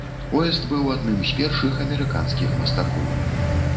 Уэст быў адным з першых амерыканскіх мастакоў.